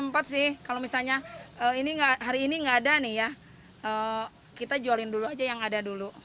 sempat sih kalau misalnya ini hari ini nggak ada nih ya kita jualin dulu aja yang ada dulu